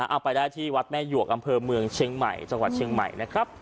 เอาไปได้ที่วัดแม่หยวกอำเภอเมืองเชียงใหม่จังหวัดเชียงใหม่นะครับ